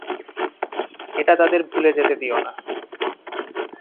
এটা তাদের ভুলে যেতে দিওনা।